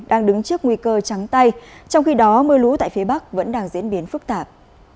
đang đứng trước nguy cơ trắng tay trong khi đó mưa lũ tại phía bắc vẫn đang diễn biến phức tạp